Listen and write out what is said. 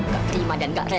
gak terima dan gak rela